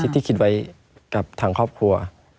ที่คิดไว้กับทางครอบครัว